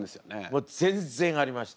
もう全然ありました。